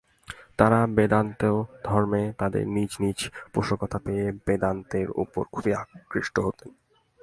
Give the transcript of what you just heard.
তাঁরা বেদান্তোক্ত ধর্মে তাঁদের নিজ নিজ মতের পোষকতা পেয়ে বেদান্তের উপর খুব আকৃষ্ট হতেন।